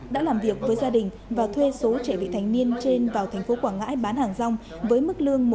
đã làm việc với gia đình và thuê số trẻ vị thành niên trên vào thành phố quảng ngãi bán hàng rong